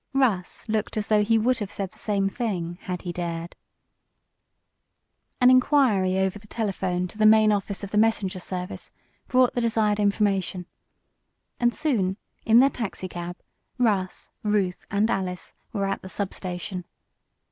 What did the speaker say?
Russ looked as though he would have said the same thing had he dared. An inquiry over the telephone to the main office of the messenger service, brought the desired information. And soon, in their taxicab Russ, Ruth and Alice were at the sub station.